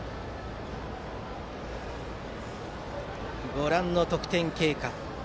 ご覧の得点経過。